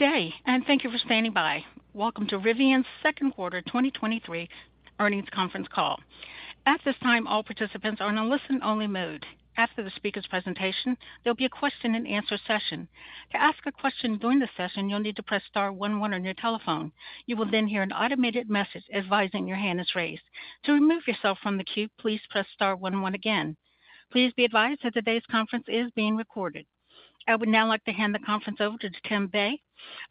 Good day. Thank you for standing by. Welcome to Rivian's second quarter 2023 earnings conference call. At this time, all participants are in a listen-only mode. After the speaker's presentation, there'll be a question-and-answer session. To ask a question during the session, you'll need to press star one one on your telephone. You will hear an automated message advising your hand is raised. To remove yourself from the queue, please press star one one again. Please be advised that today's conference is being recorded. I would now like to hand the conference over to Tim Bei,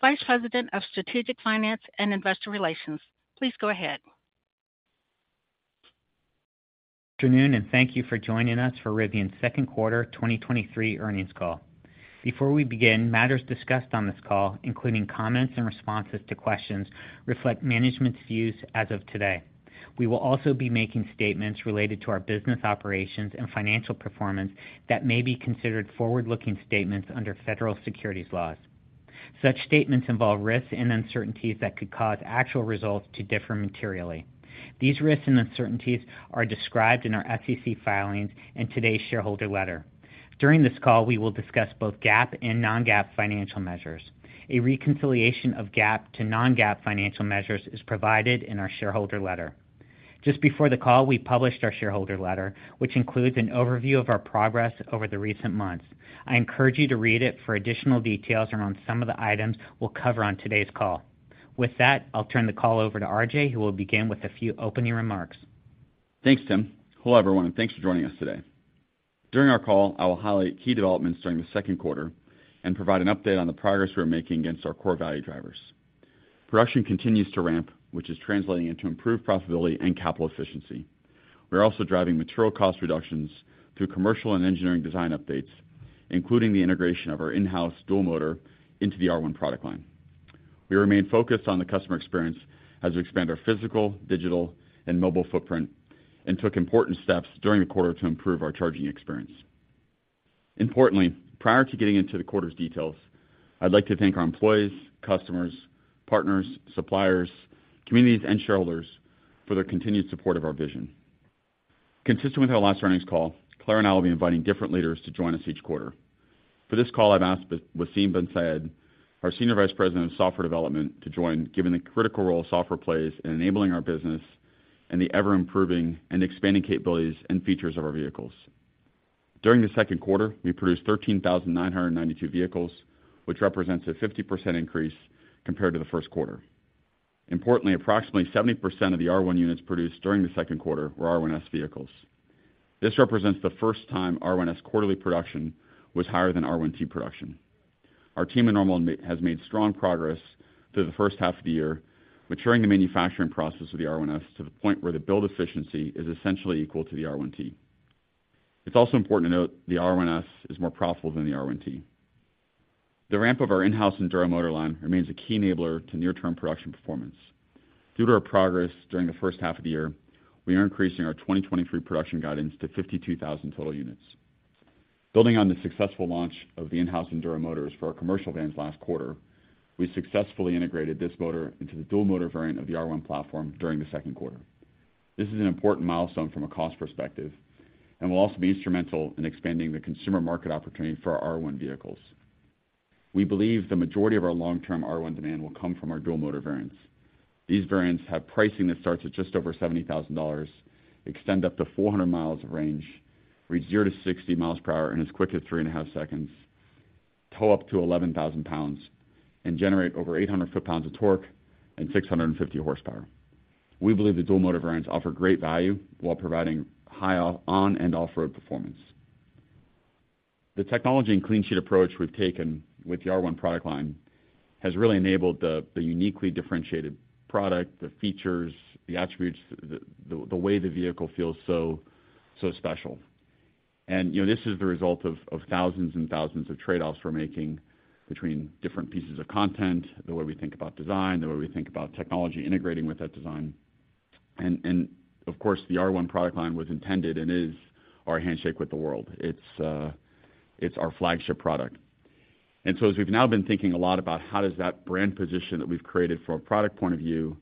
Vice President of Strategic Finance and Investor Relations. Please go ahead. Good afternoon, thank you for joining us for Rivian's second quarter 2023 earnings call. Before we begin, matters discussed on this call, including comments and responses to questions, reflect management's views as of today. We will also be making statements related to our business operations and financial performance that may be considered forward-looking statements under federal securities laws. Such statements involve risks and uncertainties that could cause actual results to differ materially. These risks and uncertainties are described in our SEC filings and today's shareholder letter. During this call, we will discuss both GAAP and non-GAAP financial measures. A reconciliation of GAAP to non-GAAP financial measures is provided in our shareholder letter. Just before the call, we published our shareholder letter, which includes an overview of our progress over the recent months. I encourage you to read it for additional details around some of the items we'll cover on today's call. With that, I'll turn the call over to RJ, who will begin with a few opening remarks. Thanks, Tim. Hello, everyone, thanks for joining us today. During our call, I will highlight key developments during the second quarter and provide an update on the progress we're making against our core value drivers. Production continues to ramp, which is translating into improved profitability and capital efficiency. We're also driving material cost reductions through commercial and engineering design updates, including the integration of our in-house Dual-Motor into the R1 product line. We remain focused on the customer experience as we expand our physical, digital, and mobile footprint, took important steps during the quarter to improve our charging experience. Importantly, prior to getting into the quarter's details, I'd like to thank our employees, customers, partners, suppliers, communities, and shareholders for their continued support of our vision. Consistent with our last earnings call, Claire and I will be inviting different leaders to join us each quarter. For this call, I've asked Wassym Bensaid, our Senior Vice President of Software Development, to join, given the critical role software plays in enabling our business and the ever-improving and expanding capabilities and features of our vehicles. During the second quarter, we produced 13,992 vehicles, which represents a 50% increase compared to the first quarter. Importantly, approximately 70% of the R1 units produced during the second quarter were R1S vehicles. This represents the first time R1S quarterly production was higher than R1T production. Our team in Normal has made strong progress through the first half of the year, maturing the manufacturing process of the R1S to the point where the build efficiency is essentially equal to the R1T. It's also important to note the R1S is more profitable than the R1T. The ramp of our in-house Enduro motor line remains a key enabler to near-term production performance. Due to our progress during the first half of the year, we are increasing our 2023 production guidance to 52,000 total units. Building on the successful launch of the in-house Enduro motors for our commercial vans last quarter, we successfully integrated this motor into the Dual-Motor variant of the R1 platform during the second quarter. This is an important milestone from a cost perspective and will also be instrumental in expanding the consumer market opportunity for our R1 vehicles. We believe the majority of our long-term R1 demand will come from our Dual-Motor variants. These variants have pricing that starts at just over $70,000, extend up to 400 miles of range, reach zero to 60 miles per hour in as quick as three and a half seconds, tow up to 11,000 pounds, and generate over 800 foot-pounds of torque and 650 horsepower. We believe the Dual-Motor variants offer great value while providing high on and off-road performance. The technology and clean sheet approach we've taken with the R1 product line has really enabled the uniquely differentiated product, the features, the attributes, the way the vehicle feels so, so special. You know, this is the result of thousands and thousands of trade-offs we're making between different pieces of content, the way we think about design, the way we think about technology integrating with that design. Of course, the R1 product line was intended and is our handshake with the world. It's, it's our flagship product. So as we've now been thinking a lot about how does that brand position that we've created from a product point of view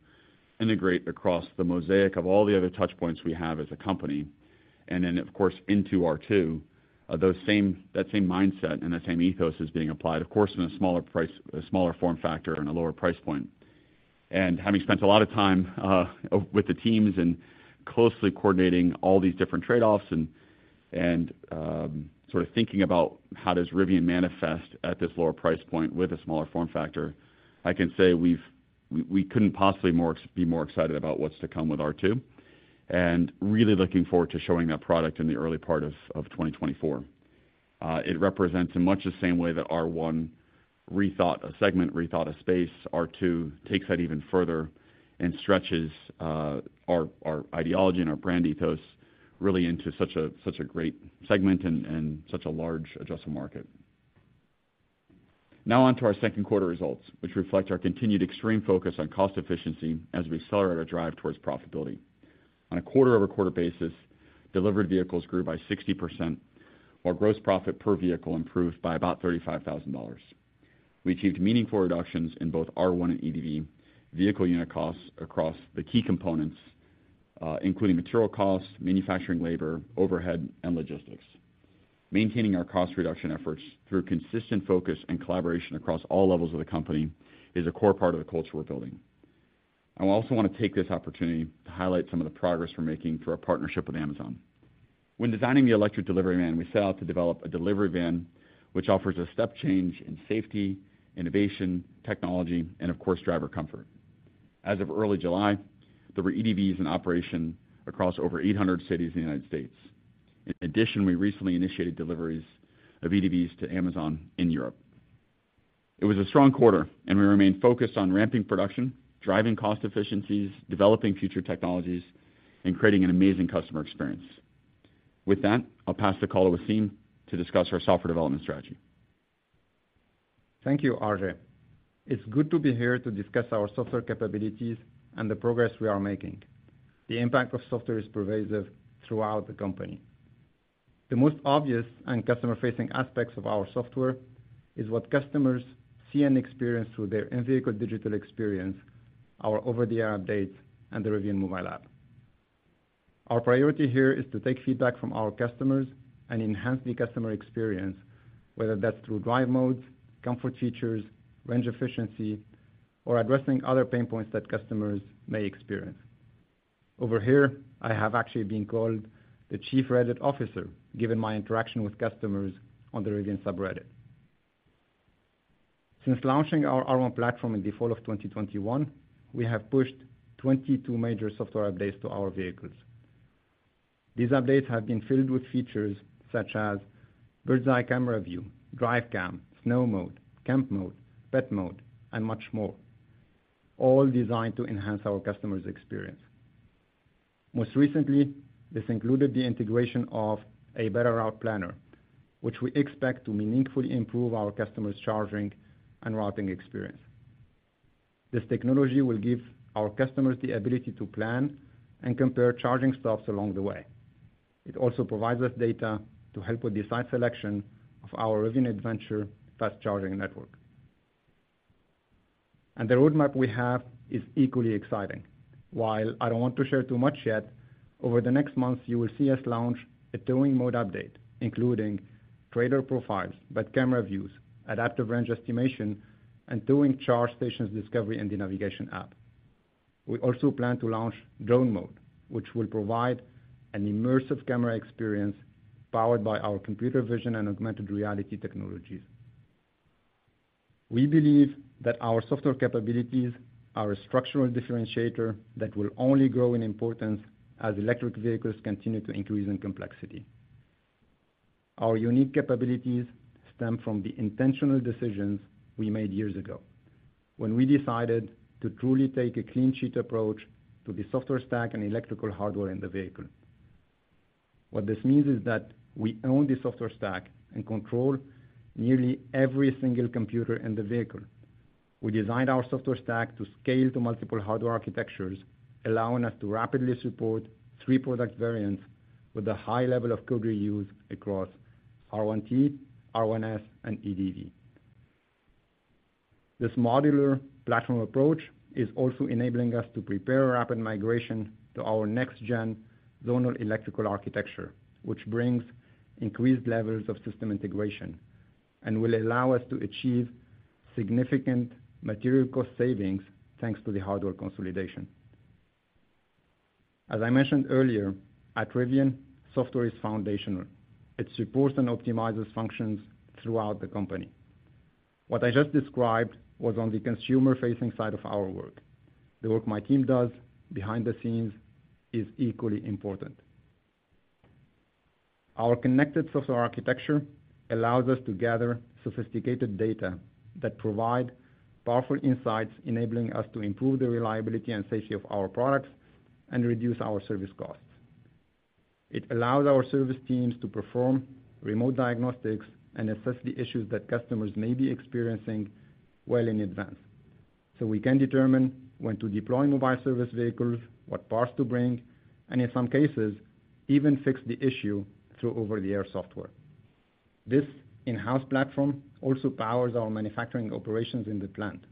integrate across the mosaic of all the other touch points we have as a company, and then, of course, into R2, those same that same mindset and the same ethos is being applied, of course, in a smaller price-- a smaller form factor and a lower price point. Having spent a lot of time with the teams and closely coordinating all these different trade-offs and, sort of thinking about how does Rivian manifest at this lower price point with a smaller form factor, I can say we couldn't possibly be more excited about what's to come with R2, and really looking forward to showing that product in the early part of 2024. It represents, in much the same way that R1 rethought a segment, rethought a space, R2 takes that even further and stretches our ideology and our brand ethos really into such a, such a great segment and such a large addressable market. Now on to our second quarter results, which reflect our continued extreme focus on cost efficiency as we accelerate our drive towards profitability. On a quarter-over-quarter basis, delivered vehicles grew by 60%, while gross profit per vehicle improved by about $35,000. We achieved meaningful reductions in both R1 and EDV vehicle unit costs across the key components, including material costs, manufacturing, labor, overhead, and logistics. Maintaining our cost reduction efforts through consistent focus and collaboration across all levels of the company, is a core part of the culture we're building. I also wanna take this opportunity to highlight some of the progress we're making through our partnership with Amazon. When designing the electric delivery van, we set out to develop a delivery van which offers a step change in safety, innovation, technology, and of course, driver comfort. As of early July, there were EDVs in operation across over 800 cities in the United States. In addition, we recently initiated deliveries of EDVs to Amazon in Europe. It was a strong quarter, and we remain focused on ramping production, driving cost efficiencies, developing future technologies, and creating an amazing customer experience. With that, I'll pass the call to Wassym to discuss our software development strategy. Thank you, RJ. It's good to be here to discuss our software capabilities and the progress we are making. The impact of software is pervasive throughout the company. The most obvious and customer-facing aspects of our software is what customers see and experience through their in vehicle digital experience, our over the air updates, and the Rivian mobile app. Our priority here is to take feedback from our customers and enhance the customer experience, whether that's through drive modes, comfort features, range efficiency, or addressing other pain points that customers may experience. Over here, I have actually been called the Chief Reddit Officer, given my interaction with customers on the Rivian subreddit. Since launching our R1 platform in the fall of 2021, we have pushed 22 major software updates to our vehicles. These updates have been filled with features such as Bird's Eye View, Drive Cam, snow mode, camp mode, pet mode, and much more, all designed to enhance our customer's experience. Most recently, this included the integration of A Better Routeplanner, which we expect to meaningfully improve our customers' charging and routing experience. This technology will give our customers the ability to plan and compare charging stops along the way. It also provides us data to help with the site selection of our Rivian Adventure Network. The roadmap we have is equally exciting. While I don't want to share too much yet, over the next months, you will see us launch a towing mode update, including trailer profiles, but camera views, adaptive range estimation, and towing charge stations discovery in the navigation app. We also plan to launch Drone Mode, which will provide an immersive camera experience powered by our computer vision and augmented reality technologies. We believe that our software capabilities are a structural differentiator that will only grow in importance as electric vehicles continue to increase in complexity. Our unique capabilities stem from the intentional decisions we made years ago, when we decided to truly take a clean sheet approach to the software stack and electrical hardware in the vehicle. What this means is that we own the software stack and control nearly every single computer in the vehicle. We designed our software stack to scale to multiple hardware architectures, allowing us to rapidly support three product variants with a high level of code reuse across R1T, R1S, and EDV. This modular platform approach is also enabling us to prepare rapid migration to our next-gen zonal electrical architecture, which brings increased levels of system integration and will allow us to achieve significant material cost savings, thanks to the hardware consolidation. As I mentioned earlier, at Rivian, software is foundational. It supports and optimizes functions throughout the company. What I just described was on the consumer-facing side of our work. The work my team does behind the scenes is equally important. Our connected software architecture allows us to gather sophisticated data that provide powerful insights, enabling us to improve the reliability and safety of our products and reduce our service costs. It allows our service teams to perform remote diagnostics and assess the issues that customers may be experiencing well in advance. We can determine when to deploy mobile service vehicles, what parts to bring, and in some cases, even fix the issue through over the air software. This in-house platform also powers our manufacturing operations in the plant,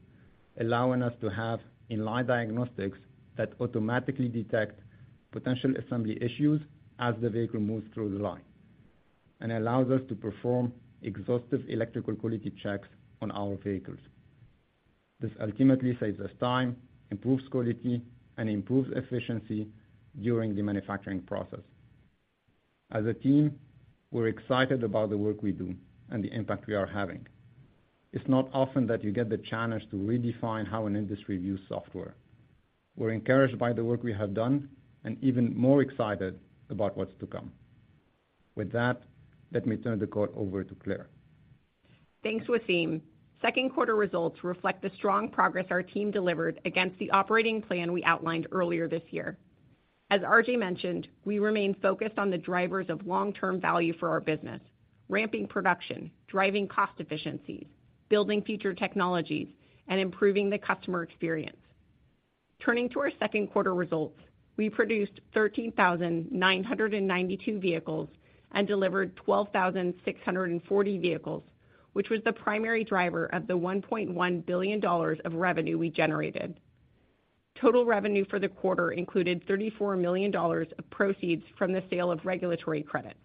allowing us to have in-line diagnostics that automatically detect potential assembly issues as the vehicle moves through the line, and allows us to perform exhaustive electrical quality checks on our vehicles. This ultimately saves us time, improves quality, and improves efficiency during the manufacturing process. As a team, we're excited about the work we do and the impact we are having. It's not often that you get the chance to redefine how an industry views software. We're encouraged by the work we have done, and even more excited about what's to come. With that, let me turn the call over to Claire. Thanks, Wassym. Second quarter results reflect the strong progress our team delivered against the operating plan we outlined earlier this year. As RJ mentioned, we remain focused on the drivers of long-term value for our business, ramping production, driving cost efficiencies, building future technologies, and improving the customer experience. Turning to our second quarter results, we produced 13,992 vehicles and delivered 12,640 vehicles, which was the primary driver of the $1.1 billion of revenue we generated. Total revenue for the quarter included $34 million of proceeds from the sale of regulatory credits.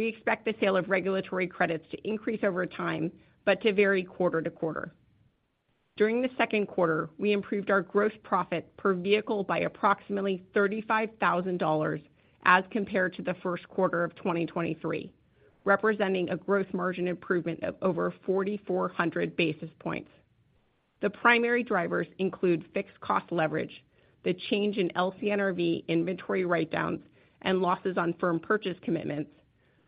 We expect the sale of regulatory credits to increase over time, but to vary quarter to quarter. During the second quarter, we improved our gross profit per vehicle by approximately $35,000 as compared to the first quarter of 2023, representing a gross margin improvement of over 4,400 basis points. The primary drivers include fixed cost leverage, the change in LCNRV inventory write-downs and losses on firm purchase commitments,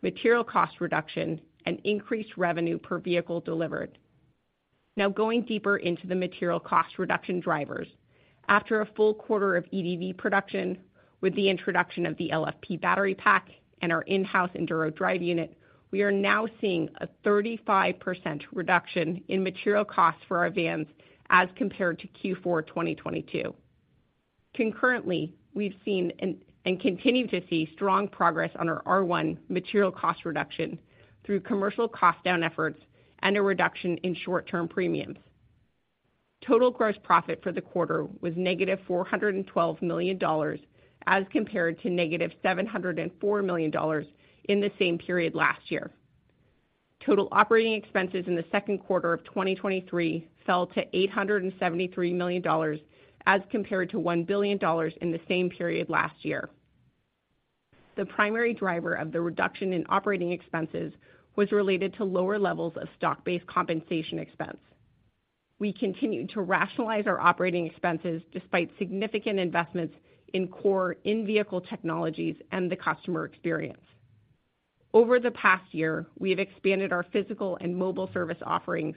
material cost reduction, and increased revenue per vehicle delivered. Going deeper into the material cost reduction drivers. After a full quarter of EDV production, with the introduction of the LFP battery pack and our in-house Enduro drive unit, we are now seeing a 35% reduction in material costs for our vans as compared to Q4 2022. Concurrently, we've seen and continue to see strong progress on our R1 material cost reduction through commercial cost down efforts and a reduction in short-term premiums. Total gross profit for the quarter was negative $412 million, as compared to negative $704 million in the same period last year. Total operating expenses in the second quarter of 2023 fell to $873 million, as compared to $1 billion in the same period last year. The primary driver of the reduction in operating expenses was related to lower levels of stock-based compensation expense. We continued to rationalize our operating expenses despite significant investments in core in-vehicle technologies and the customer experience. Over the past year, we have expanded our physical and mobile service offerings,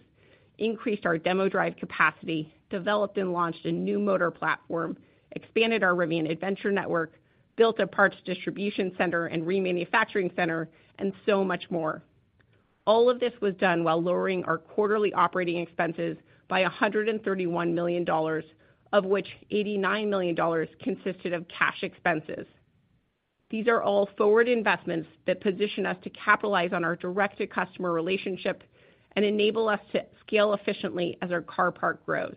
increased our demo drive capacity, developed and launched a new motor platform, expanded our Rivian Adventure Network, built a parts distribution center and remanufacturing center, and so much more. All of this was done while lowering our quarterly operating expenses by $131 million, of which $89 million consisted of cash expenses. These are all forward investments that position us to capitalize on our direct-to-customer relationship and enable us to scale efficiently as our car park grows.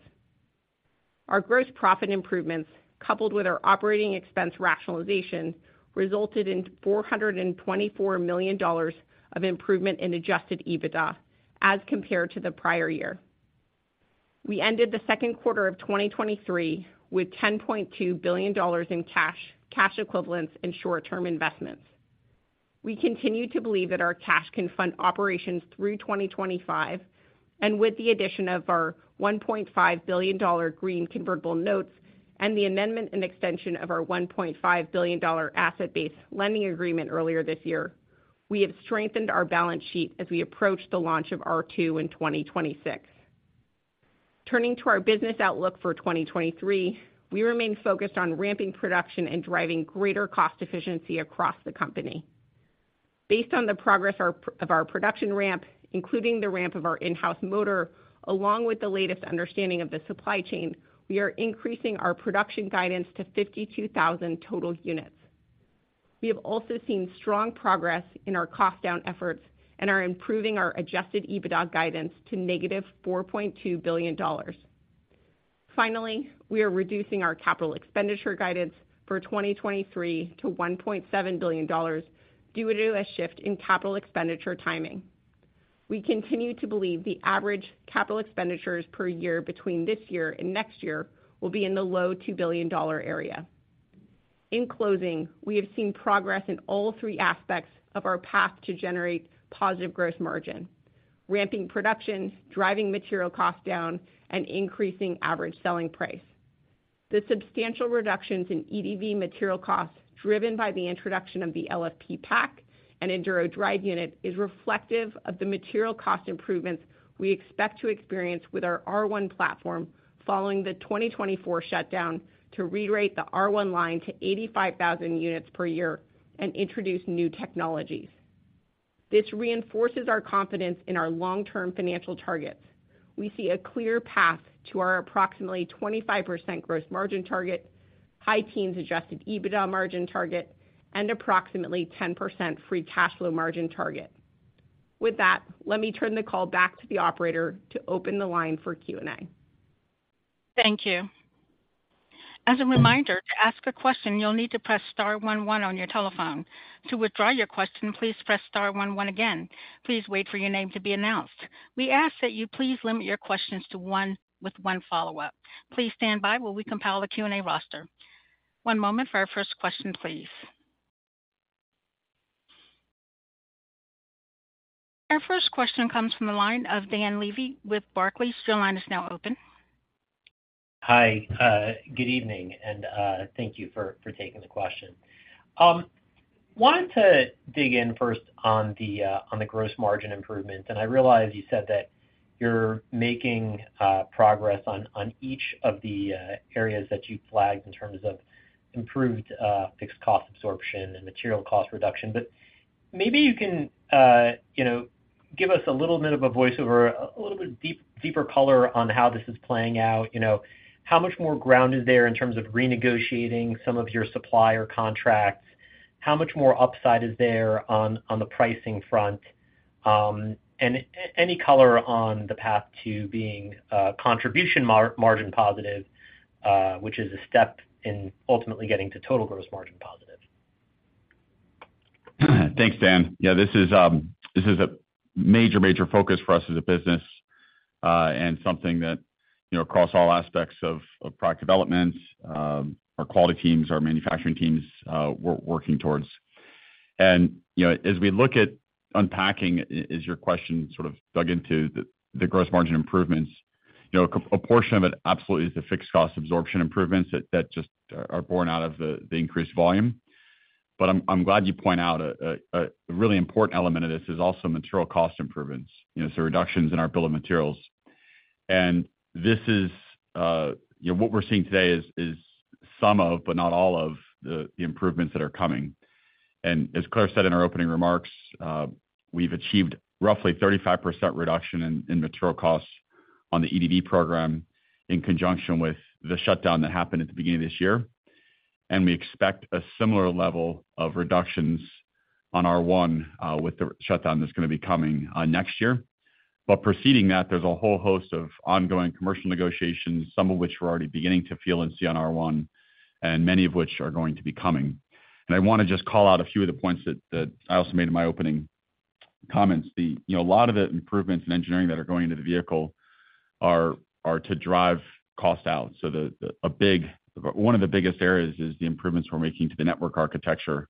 Our gross profit improvements, coupled with our operating expense rationalization, resulted in $424 million of improvement in Adjusted EBITDA as compared to the prior year. We ended the second quarter of 2023 with $10.2 billion in cash, cash equivalents, and short-term investments. We continue to believe that our cash can fund operations through 2025, With the addition of our $1.5 billion Green Convertible Notes and the amendment and extension of our $1.5 billion asset-based lending agreement earlier this year, we have strengthened our balance sheet as we approach the launch of R2 in 2026. Turning to our business outlook for 2023, we remain focused on ramping production and driving greater cost efficiency across the company. Based on the progress of our production ramp, including the ramp of our in-house motor, along with the latest understanding of the supply chain, we are increasing our production guidance to 52,000 total units. We have also seen strong progress in our cost down efforts and are improving our Adjusted EBITDA guidance to negative $4.2 billion. Finally, we are reducing our capital expenditure guidance for 2023 to $1.7 billion due to a shift in capital expenditure timing. We continue to believe the average capital expenditures per year between this year and next year will be in the low $2 billion area. In closing, we have seen progress in all three aspects of our path to generate positive gross margin, ramping production, driving material costs down, and increasing average selling price. The substantial reductions in EDV material costs, driven by the introduction of the LFP pack and Enduro drive unit, is reflective of the material cost improvements we expect to experience with our R1 platform following the 2024 shutdown to rerate the R1 line to 85,000 units per year and introduce new technologies. This reinforces our confidence in our long-term financial targets. We see a clear path to our approximately 25% gross margin target, high teens Adjusted EBITDA margin target, and approximately 10% free cash flow margin target. With that, let me turn the call back to the operator to open the line for Q&A. Thank you. As a reminder, to ask a question, you'll need to press star one one on your telephone. To withdraw your question, please press star one one again. Please wait for your name to be announced. We ask that you please limit your questions to one with one follow-up. Please stand by while we compile the Q&A roster. One moment for our first question, please. Our first question comes from the line of Dan Levy with Barclays. Your line is now open. Hi, good evening, and thank you for taking the question. Wanted to dig in first on the gross margin improvements, and I realize you said that you're making progress on each of the areas that you flagged in terms of improved fixed cost absorption and material cost reduction. Maybe you can, you know, give us a little bit of a voiceover, a little bit deeper color on how this is playing out. You know, how much more ground is there in terms of renegotiating some of your supplier contracts? How much more upside is there on the pricing front? Any color on the path to being contribution margin positive, which is a step in ultimately getting to total gross margin positive. Thanks, Dan. Yeah, this is, this is a major, major focus for us as a business, and something that, you know, across all aspects of, of product development, our quality teams, our manufacturing teams, we're working towards. You know, as we look at unpacking, as your question sort of dug into the, the gross margin improvements, you know, a portion of it absolutely is the fixed cost absorption improvements that, that just are born out of the, the increased volume. I'm, I'm glad you point out a, a, a really important element of this is also material cost improvements, you know, so reductions in our bill of materials. This is, you know, what we're seeing today is, is some of, but not all of the, the improvements that are coming. As Claire said in our opening remarks, we've achieved roughly 35% reduction in material costs on the EDV program, in conjunction with the shutdown that happened at the beginning of this year. We expect a similar level of reductions on R1, with the shutdown that's gonna be coming next year. Preceding that, there's a whole host of ongoing commercial negotiations, some of which we're already beginning to feel and see on R1, and many of which are going to be coming. I wanna just call out a few of the points that I also made in my opening comments. You know, a lot of the improvements in engineering that are going into the vehicle are to drive cost out. One of the biggest areas is the improvements we're making to the network architecture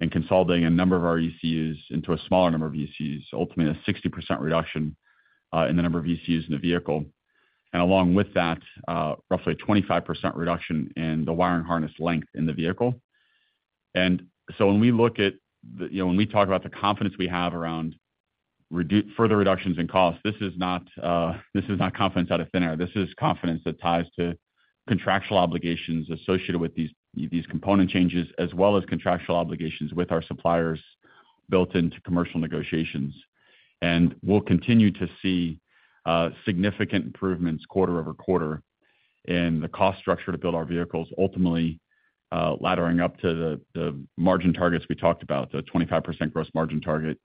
and consolidating a number of our ECUs into a smaller number of ECUs, ultimately, a 60% reduction in the number of ECUs in the vehicle. Along with that, roughly a 25% reduction in the wire and harness length in the vehicle. When we look at the, you know, when we talk about the confidence we have around further reductions in cost, this is not, this is not confidence out of thin air. This is confidence that ties to contractual obligations associated with these, these component changes, as well as contractual obligations with our suppliers built into commercial negotiations. We'll continue to see significant improvements quarter-over-quarter in the cost structure to build our vehicles, ultimately laddering up to the, the margin targets we talked about, the 25% gross margin target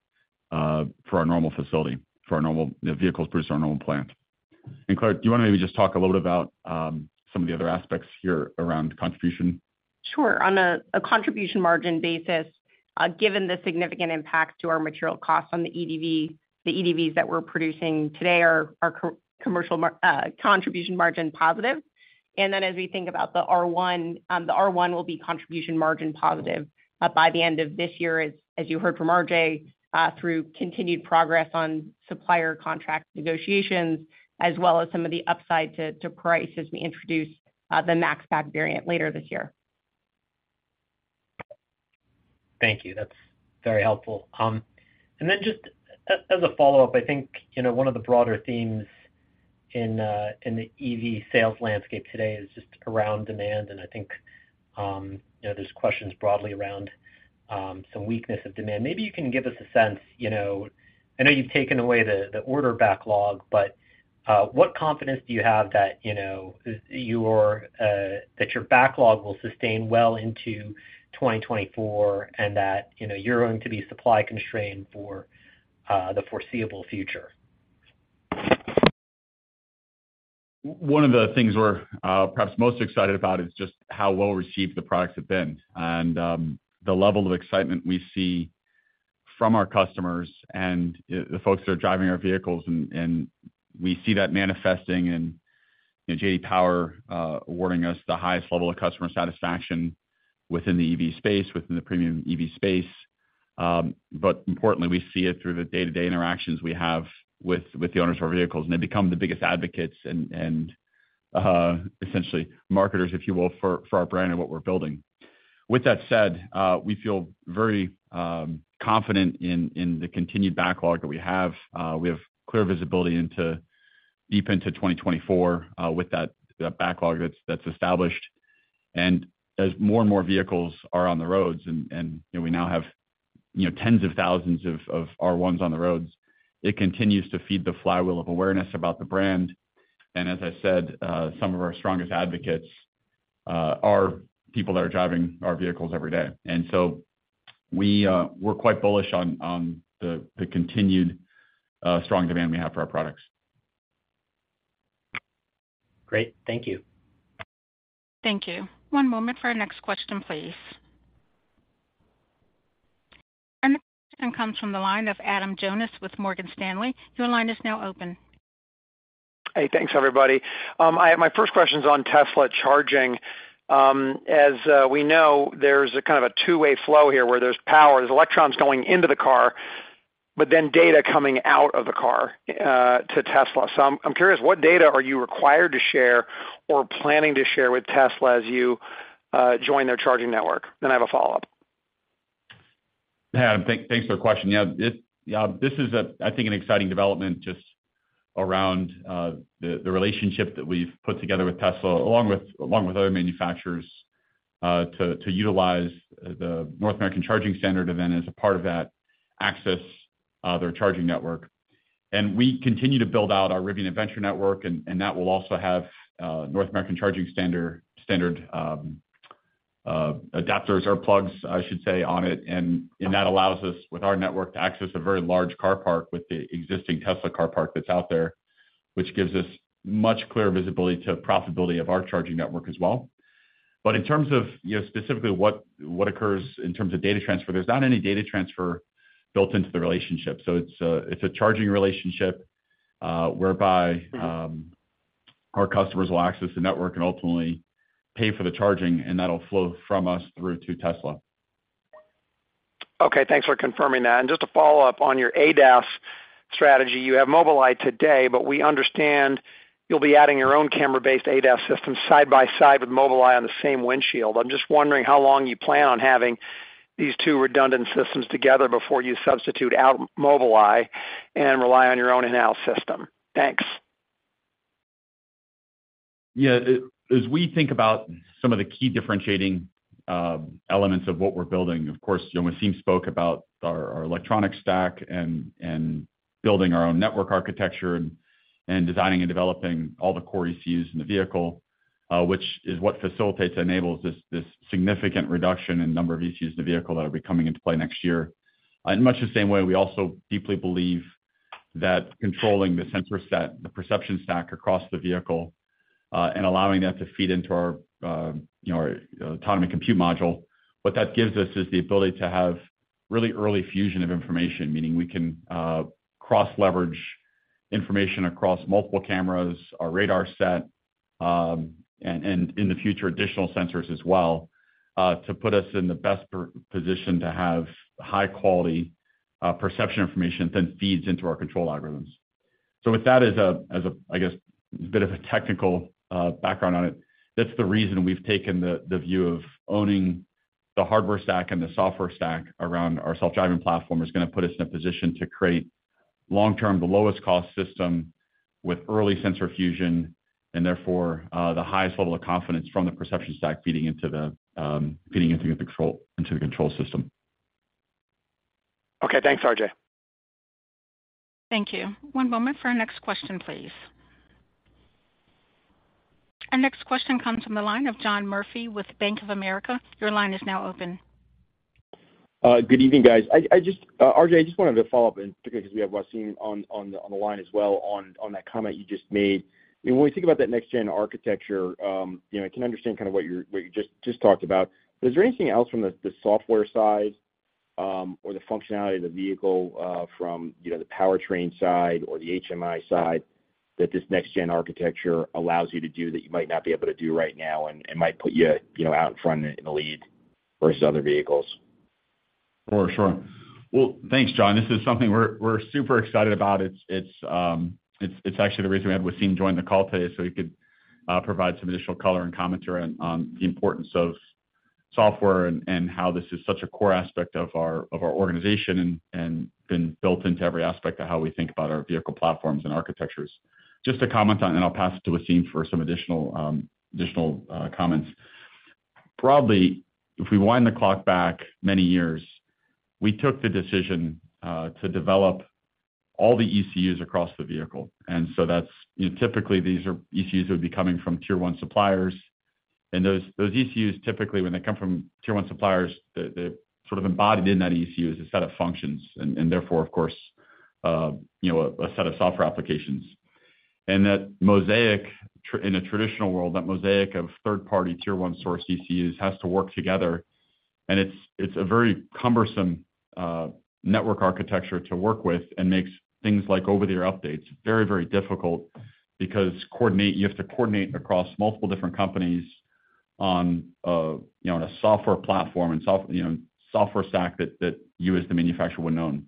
for our Normal facility, for our Normal, the vehicles produced in our Normal plant. Claire, do you wanna maybe just talk a little bit about some of the other aspects here around contribution? Sure. On a contribution margin basis, given the significant impact to our material costs on the EDV, the EDVs that we're producing today are commercial contribution margin positive. As we think about the R1, the R1 will be contribution margin positive by the end of this year, as you heard from RJ, through continued progress on supplier contract negotiations, as well as some of the upside to price as we introduce the Max Pack variant later this year. Thank you. That's very helpful. Then just as a follow-up, I think, you know, one of the broader themes in the EV sales landscape today is just around demand. I think, you know, there's questions broadly around some weakness of demand. Maybe you can give us a sense, you know, I know you've taken away the, the order backlog, but what confidence do you have that, you know, your that your backlog will sustain well into 2024, and that, you know, you're going to be supply constrained for the foreseeable future? One of the things we're perhaps most excited about is just how well received the products have been. The level of excitement we see from our customers and the, the folks that are driving our vehicles, and, and we see that manifesting in, you know, J.D. Power awarding us the highest level of customer satisfaction within the EV space, within the premium EV space. Importantly, we see it through the day-to-day interactions we have with, with the owners of our vehicles, and they become the biggest advocates and, and essentially marketers, if you will, for, for our brand and what we're building. With that said, we feel very confident in the continued backlog that we have. We have clear visibility into, deep into 2024, with that, that backlog that's, that's established. As more and more vehicles are on the roads, you know, we now have, you know, tens of thousands of R1s on the roads, it continues to feed the flywheel of awareness about the brand. As I said, some of our strongest advocates are people that are driving our vehicles every day. We're quite bullish on the continued strong demand we have for our products. Great. Thank you. Thank you. One moment for our next question, please. Our next question comes from the line of Adam Jonas with Morgan Stanley. Your line is now open. Hey, thanks, everybody. My first question is on Tesla charging. As we know, there's a kind of a two-way flow here, where there's power, there's electrons going into the car, but then data coming out of the car, to Tesla. I'm curious, what data are you required to share or planning to share with Tesla as you join their charging network? I have a follow-up. Adam, thanks for the question. Yeah, this is a, I think, an exciting development just around the relationship that we've put together with Tesla, along with, along with other manufacturers, to utilize the North American Charging Standard event as a part of that, access their charging network. We continue to build out our Rivian Adventure Network, and that will also have North American Charging Standard adapters or plugs, I should say, on it. That allows us, with our network, to access a very large car park with the existing Tesla car park that's out there, which gives us much clearer visibility to profitability of our charging network as well. In terms of, you know, specifically what occurs in terms of data transfer, there's not any data transfer built into the relationship. It's a, it's a charging relationship whereby our customers will access the network and ultimately pay for the charging, and that'll flow from us through to Tesla. Okay, thanks for confirming that. Just a follow-up on your ADAS strategy. You have Mobileye today, but we understand you'll be adding your own camera-based ADAS system side by side with Mobileye on the same windshield. I'm just wondering how long you plan on having these two redundant systems together before you substitute out Mobileye and rely on your own in-house system? Thanks. Yeah, as we think about some of the key differentiating, elements of what we're building, of course, you know, Wassym spoke about our, our electronic stack and, and building our own network architecture and, and designing and developing all the core ECUs in the vehicle, which is what facilitates and enables this, this significant reduction in number of ECUs in the vehicle that'll be coming into play next year. In much the same way, we also deeply believe that controlling the sensor set, the perception stack across the vehicle, and allowing that to feed into our, you know, our Autonomy Compute Module, what that gives us is the ability to have really early fusion of information, meaning we can cross-leverage information across multiple cameras, our radar set, and, and in the future, additional sensors as well, to put us in the best per- position to have high-quality perception information that feeds into our control algorithms. With that as a, as a, I guess, bit of a technical background on it, that's the reason we've taken the, the view of owning the hardware stack and the software stack around our self-driving platform. It's gonna put us in a position to create long-term, the lowest cost system with early sensor fusion, and therefore, the highest level of confidence from the perception stack feeding into the feeding into the control, into the control system. Okay, thanks, RJ. Thank you. One moment for our next question, please. Our next question comes from the line of John Murphy with Bank of America. Your line is now open. Good evening, guys. I just wanted to follow up, and particularly because we have Wassym on the line as well, on that comment you just made. When we think about that next-gen architecture, you know, I can understand kind of what you just talked about. Is there anything else from the software side, or the functionality of the vehicle, from, you know, the powertrain side or the HMI side, that this next-gen architecture allows you to do that you might not be able to do right now and might put you, you know, out in front, in the lead versus other vehicles? Oh, sure. Well, thanks, John. This is something we're, we're super excited about. It's, it's actually the reason we had Wassym join the call today, so he could provide some additional color and commentary on, on the importance of software and, and how this is such a core aspect of our, of our organization and, and been built into every aspect of how we think about our vehicle platforms and architectures. Just to comment on, and I'll pass it to Wassym for some additional, additional comments. Probably, if we wind the clock back many years, we took the decision to develop all the ECUs across the vehicle, and so that's. You know, typically, these ECUs would be coming from tier one suppliers. Those, those ECUs, typically, when they come from tier one suppliers, the sort of embodied in that ECU is a set of functions, and, and therefore, of course, you know, a set of software applications. That mosaic in a traditional world, that mosaic of third-party, tier one source ECUs has to work together, and it's, it's a very cumbersome network architecture to work with and makes things like over-the-air updates very, very difficult because you have to coordinate across multiple different companies on, you know, on a software platform and software, you know, software stack that, that you, as the manufacturer, would own.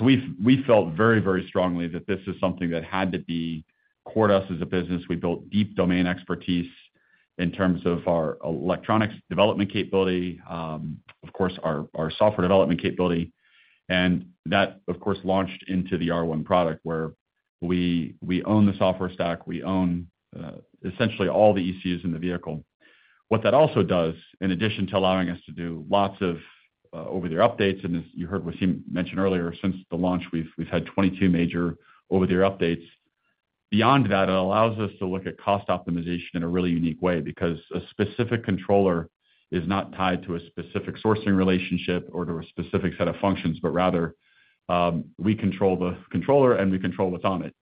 We, we felt very, very strongly that this is something that had to be core to us as a business. We built deep domain expertise in terms of our electronics development capability, of course, our, our software development capability. That, of course, launched into the R1 product, where we, we own the software stack, we own essentially all the ECUs in the vehicle. What that also does, in addition to allowing us to do lots of over-the-air updates, and as you heard Wassym mention earlier, since the launch, we've, we've had 22 major over-the-air updates. Beyond that, it allows us to look at cost optimization in a really unique way, because a specific controller is not tied to a specific sourcing relationship or to a specific set of functions, but rather, we control the controller and we control what's on it.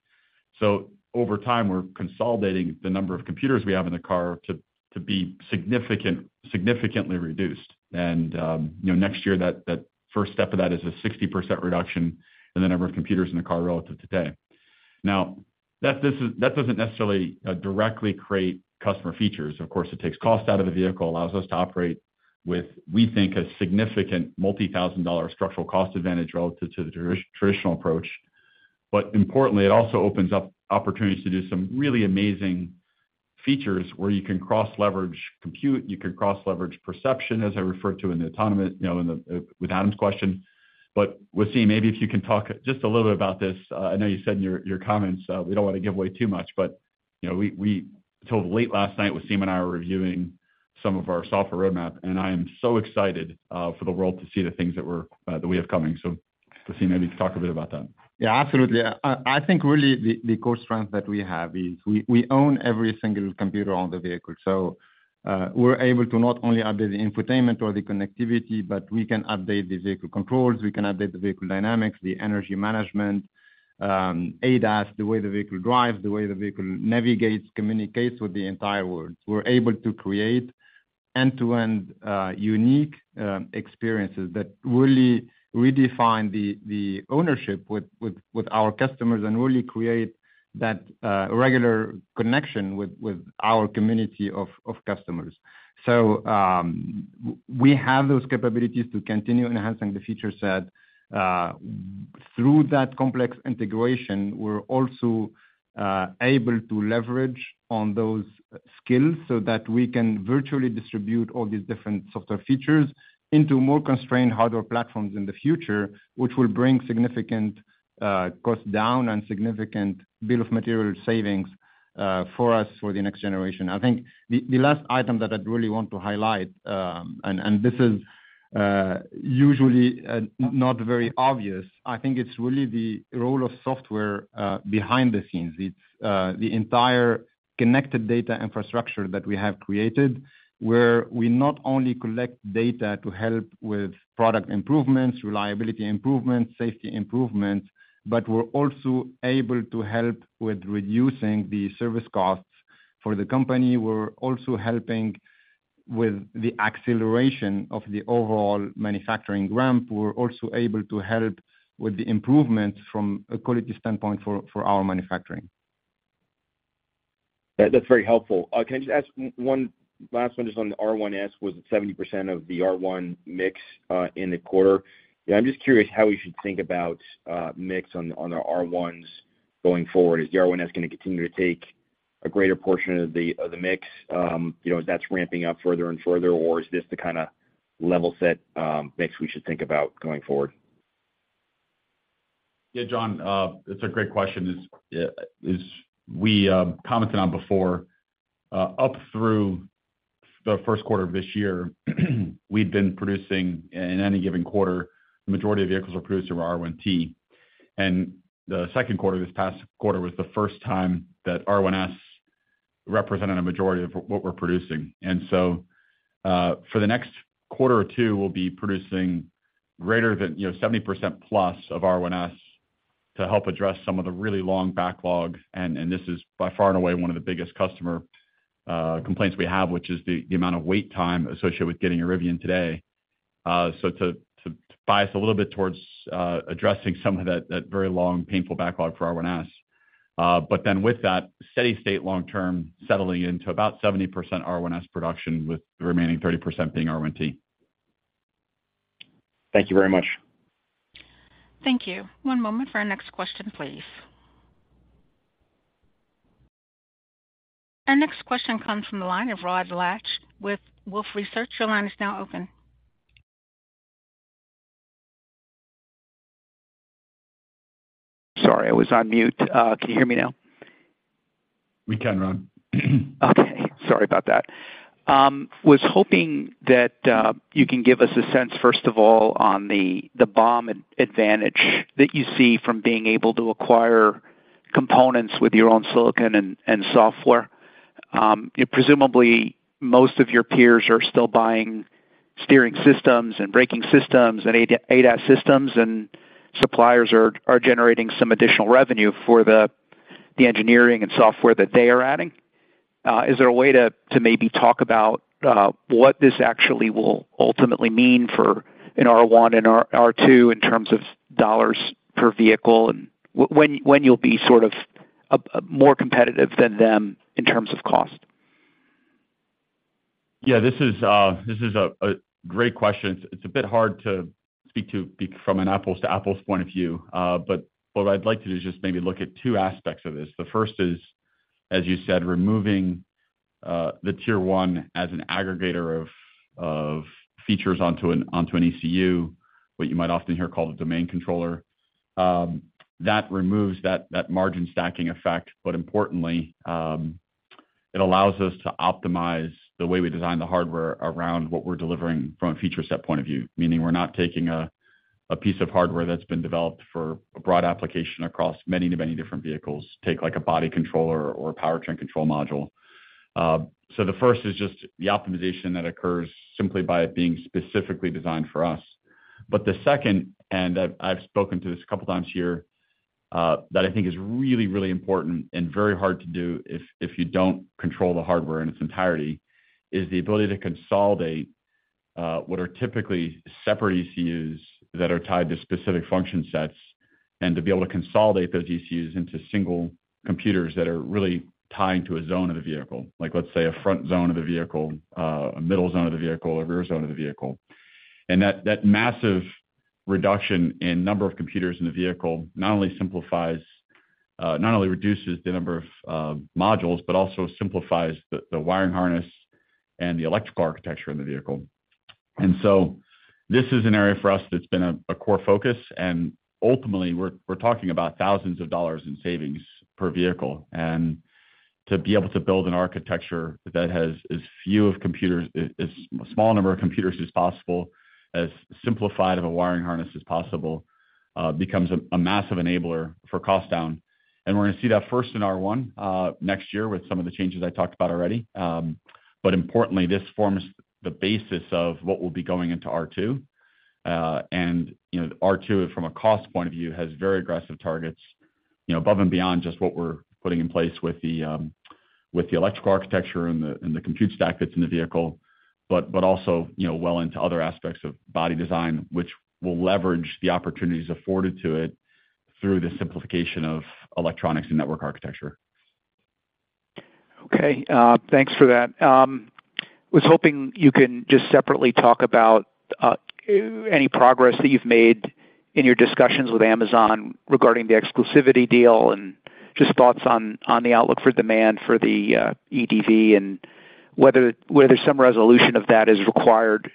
Over time, we're consolidating the number of computers we have in the car to, to be significantly reduced. You know, next year, that, that first step of that is a 60% reduction in the number of computers in the car relative to today. Now, that doesn't, that doesn't necessarily directly create customer features. Of course, it takes cost out of the vehicle, allows us to operate with, we think, a significant multi-thousand dollar structural cost advantage relative to the traditional approach. Importantly, it also opens up opportunities to do some really amazing features where you can cross-leverage, compute, you can cross-leverage perception, as I referred to in the autonomous, you know, in the with Adam's question. Wassym, maybe if you can talk just a little about this. I know you said in your, your comments, we don't want to give away too much, but, you know, we, we... Until late last night, Wassym and I were reviewing-... some of our software roadmap, and I am so excited for the world to see the things that we're that we have coming. Claire, maybe talk a bit about that. Yeah, absolutely. I, I think really the, the core strength that we have is we, we own every single computer on the vehicle. We're able to not only update the infotainment or the connectivity, but we can update the vehicle controls, we can update the vehicle dynamics, the energy management, ADAS, the way the vehicle drives, the way the vehicle navigates, communicates with the entire world. We're able to create end-to-end, unique, experiences that really redefine the, the ownership with, with, with our customers and really create that, regular connection with, with our community of, of customers. We have those capabilities to continue enhancing the feature set. Through that complex integration, we're also able to leverage on those skills so that we can virtually distribute all these different software features into more constrained hardware platforms in the future, which will bring significant cost down and significant bill of materials savings for us for the next generation. I think the last item that I'd really want to highlight, and this is usually not very obvious. I think it's really the role of software behind the scenes. It's the entire connected data infrastructure that we have created, where we not only collect data to help with product improvements, reliability improvements, safety improvements, but we're also able to help with reducing the service costs for the company. We're also helping with the acceleration of the overall manufacturing ramp. We're also able to help with the improvement from a quality standpoint for our manufacturing. That, that's very helpful. Can I just ask one last one, just on the R1S, was it 70% of the R1 mix in the quarter? Yeah, I'm just curious how we should think about mix on the R1s going forward. Is the R1S gonna continue to take a greater portion of the mix, you know, as that's ramping up further and further? Or is this the kinda level set mix we should think about going forward? Yeah, John, it's a great question. As we commented on before, up through the 1st quarter of this year, we've been producing, in any given quarter, the majority of vehicles were produced from R1T. The 2nd quarter, this past quarter, was the 1st time that R1S represented a majority of what we're producing. So, for the next 1 or 2 quarters, we'll be producing greater than, you know, 70%+ of R1S to help address some of the really long backlogs, and this is by far and away one of the biggest customer complaints we have, which is the amount of wait time associated with getting a Rivian today. So to bias a little bit towards addressing some of that, that very long, painful backlog for R1S. Then with that, steady state long term, settling into about 70% R1S production, with the remaining 30% being R1T. Thank you very much. Thank you. One moment for our next question, please. Our next question comes from the line of Rod Lache with Wolfe Research. Your line is now open. Sorry, I was on mute. Can you hear me now? We can, Rod. Okay, sorry about that. Was hoping that you can give us a sense, first of all, on the BOM advantage that you see from being able to acquire components with your own silicon and software. Presumably, most of your peers are still buying steering systems and braking systems and ADAS systems, and suppliers are generating some additional revenue for the engineering and software that they are adding. Is there a way to maybe talk about what this actually will ultimately mean for an R1 and R2 in terms of $ per vehicle, and when, when you'll be sort of more competitive than them in terms of cost? Yeah, this is a great question. It's a bit hard to speak to from an apples to apples point of view, but what I'd like to do is just maybe look at two aspects of this. The first is, as you said, removing the tier one as an aggregator of features onto an, onto an ECU, what you might often hear called a domain controller. That removes that, that margin stacking effect, but importantly, it allows us to optimize the way we design the hardware around what we're delivering from a feature set point of view. Meaning, we're not taking a piece of hardware that's been developed for a broad application across many, many different vehicles, take, like, a body controller or a powertrain control module. The first is just the optimization that occurs simply by it being specifically designed for us. The second, and I've, I've spoken to this a couple times here that I think is really, really important and very hard to do if, if you don't control the hardware in its entirety, is the ability to consolidate what are typically separate ECUs that are tied to specific function sets, and to be able to consolidate those ECUs into single computers that are really tying to a zone of the vehicle, like, let's say, a front zone of the vehicle, a middle zone of the vehicle, a rear zone of the vehicle. That, that massive reduction in number of computers in the vehicle not only simplifies, not only reduces the number of modules, but also simplifies the wiring harness and the electrical architecture in the vehicle. This is an area for us that's been a core focus, and ultimately we're talking about $thousands in savings per vehicle. To be able to build an architecture that has as few of computers, as small number of computers as possible, as simplified of a wiring harness as possible, becomes a massive enabler for cost down. We're gonna see that first in R1 next year with some of the changes I talked about already. Importantly, this forms the basis of what will be going into R2. You know, R2, from a cost point of view, has very aggressive targets, you know, above and beyond just what we're putting in place with the electrical architecture and the, and the compute stack that's in the vehicle. Also, you know, well into other aspects of body design, which will leverage the opportunities afforded to it through the simplification of electronics and network architecture. Okay, thanks for that. Was hoping you can just separately talk about any progress that you've made in your discussions with Amazon regarding the exclusivity deal, and just thoughts on the outlook for demand for the EDV. Whether some resolution of that is required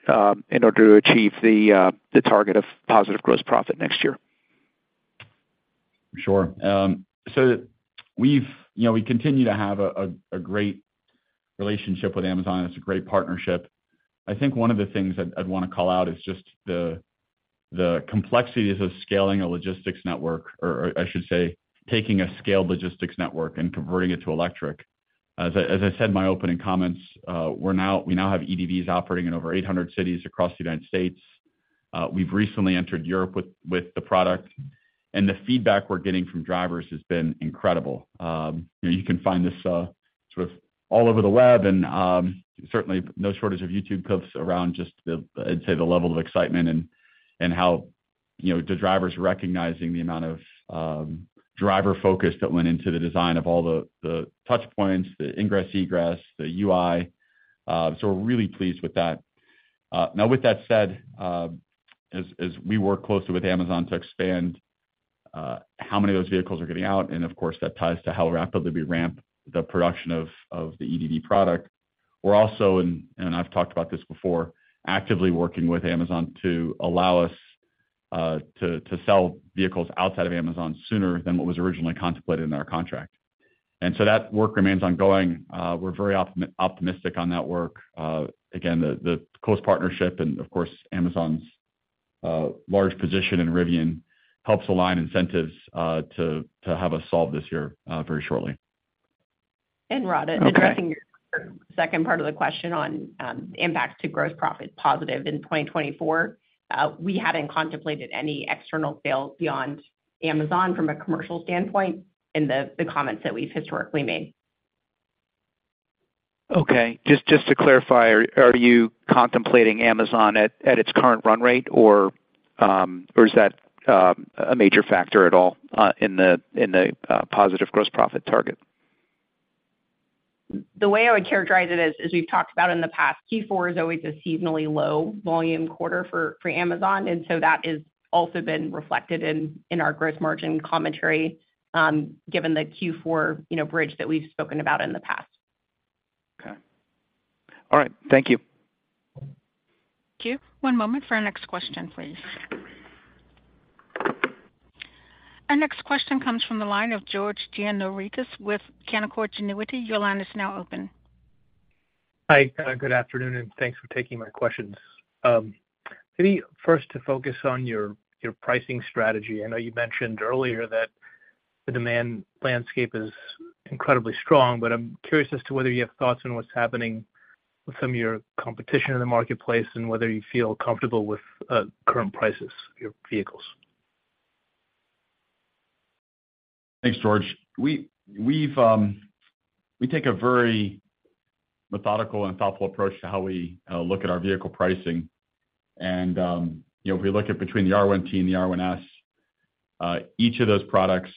in order to achieve the target of positive gross profit next year. Sure. You know, we continue to have a great relationship with Amazon. It's a great partnership. I think one of the things I'd, I'd wanna call out is just the complexities of scaling a logistics network, or, or I should say, taking a scaled logistics network and converting it to electric. As I, as I said in my opening comments, we now have EDVs operating in over 800 cities across the United States. We've recently entered Europe with the product, and the feedback we're getting from drivers has been incredible. You know, you can find this, sort of all over the web, and, certainly no shortage of YouTube clips around just the, I'd say, the level of excitement and, and how, you know, the drivers recognizing the amount of, driver focus that went into the design of all the, the touch points, the ingress, egress, the UI. So we're really pleased with that. Now, with that said, as, as we work closely with Amazon to expand, how many of those vehicles are getting out, and of course, that ties to how rapidly we ramp the production of, of the EDV product. We're also, and, and I've talked about this before, actively working with Amazon to allow us, to, to sell vehicles outside of Amazon sooner than what was originally contemplated in our contract. So that work remains ongoing. We're very optimistic on that work. Again, the close partnership and of course, Amazon's large position in Rivian helps align incentives, to have us solve this year, very shortly. Rod, addressing your second part of the question on impacts to gross profit positive in 2024. We haven't contemplated any external sales beyond Amazon from a commercial standpoint in the, the comments that we've historically made. Okay, just, just to clarify, are, are you contemplating Amazon at, at its current run rate, or, or is that a major factor at all, in the, in the, positive gross profit target? The way I would characterize it is, as we've talked about in the past, Q4 is always a seasonally low volume quarter for, for Amazon, and so that is also been reflected in, in our gross margin commentary, given the Q4, you know, bridge that we've spoken about in the past. Okay. All right, thank you. Thank you. One moment for our next question, please. Our next question comes from the line of George Gianarikas with Canaccord Genuity. Your line is now open. Hi, good afternoon, and thanks for taking my questions. Maybe first, to focus on your, your pricing strategy. I know you mentioned earlier that the demand landscape is incredibly strong. I'm curious as to whether you have thoughts on what's happening with some of your competition in the marketplace and whether you feel comfortable with current prices of your vehicles? Thanks, George. We, we've, we take a very methodical and thoughtful approach to how we look at our vehicle pricing. You know, if we look at between the R1T and the R1S, each of those products,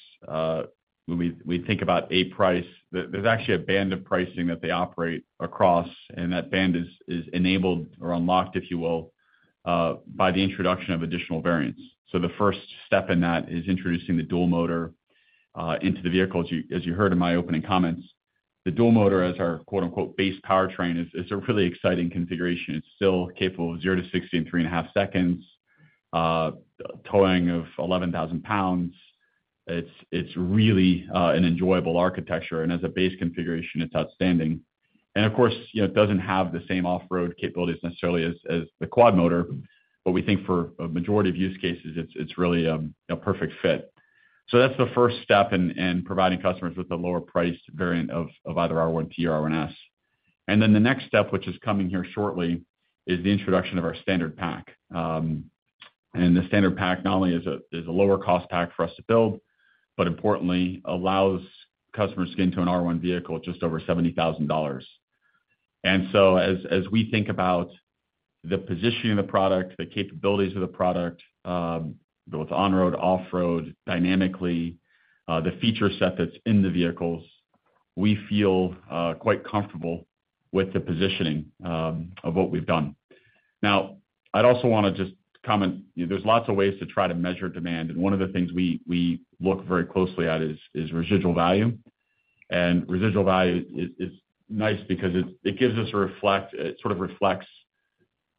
when we, we think about a price, there, there's actually a band of pricing that they operate across, and that band is, is enabled or unlocked, if you will, by the introduction of additional variants. The first step in that is introducing the Dual-Motor into the vehicle. As you, as you heard in my opening comments, the Dual-Motor, as our quote-unquote, base powertrain, is, is a really exciting configuration. It's still capable of 0 to 60 in 3.5 seconds, towing of 11,000 pounds. It's, it's really, an enjoyable architecture, and as a base configuration, it's outstanding. Of course, you know, it doesn't have the same off-road capabilities necessarily as, as the quad motor, but we think for a majority of use cases, it's, it's really a perfect fit. That's the first step in, in providing customers with a lower price variant of, of either R1T or R1S. Then the next step, which is coming here shortly, is the introduction of our Standard Pack. The Standard Pack not only is a, is a lower cost pack for us to build, but importantly allows customers to get into an R1 vehicle at just over $70,000. So as, as we think about the positioning of the product, the capabilities of the product, both on-road, off-road, dynamically, the feature set that's in the vehicles, we feel quite comfortable with the positioning of what we've done. I'd also wanna just comment, there's lots of ways to try to measure demand, and one of the things we, we look very closely at is, is residual value. Residual value is, is nice because it, it gives us a reflect, it sort of reflects,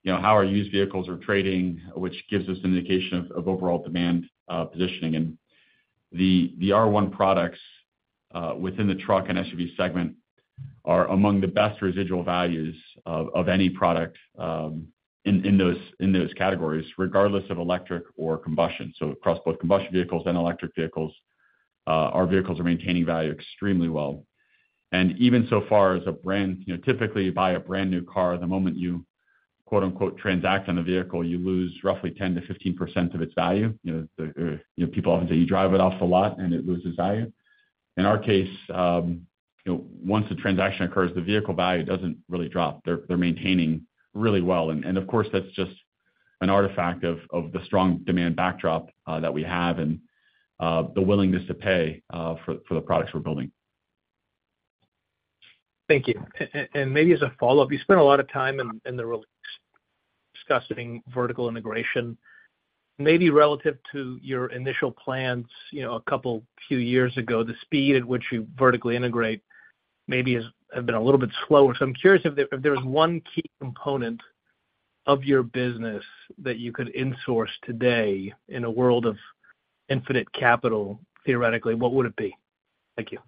you know, how our used vehicles are trading, which gives us an indication of, of overall demand positioning. The, the R1 products within the truck and SUV segment are among the best residual values of, of any product in, in those, in those categories, regardless of electric or combustion. Across both combustion vehicles and electric vehicles, our vehicles are maintaining value extremely well. Even so far as a brand, you know, typically, you buy a brand-new car, the moment you quote-unquote, "transact" on the vehicle, you lose roughly 10%-15% of its value. You know, the, you know, people often say you drive it off the lot, and it loses value. In our case, you know, once the transaction occurs, the vehicle value doesn't really drop. They're, they're maintaining really well. And of course, that's just an artifact of, of the strong demand backdrop, that we have and, the willingness to pay, for, for the products we're building. Thank you. Maybe as a follow-up, you spent a lot of time in the release discussing vertical integration. Maybe relative to your initial plans, you know, a couple, few years ago, the speed at which you vertically integrate maybe has been a little bit slower. I'm curious if there's one key component of your business that you could insource today in a world of infinite capital, theoretically, what would it be? Thank you.